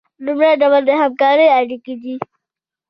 لومړی ډول د همکارۍ اړیکې دي.